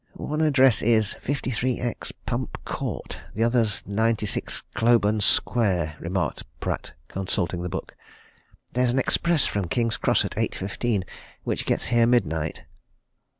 "One address is 53x, Pump Court; the other's 96, Cloburn Square," remarked Pratt consulting the book. "There's an express from King's Cross at 8.15 which gets here midnight."